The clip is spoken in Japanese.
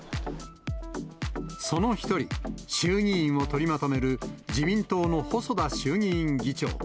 その１人、衆議院を取りまとめる自民党の細田衆議院議長。